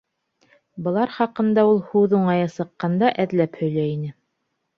Былар хаҡында ул һүҙ уңайы сыҡҡанда әҙләп һөйләй ине.